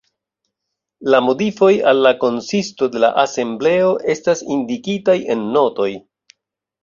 La modifoj al la konsisto de la Asembleo estas indikitaj en notoj.